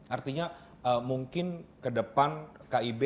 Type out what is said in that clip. artinya mungkin ke depan kib